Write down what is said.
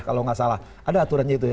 kalau gak salah ada aturannya itu